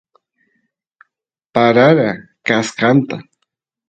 parara kaskanta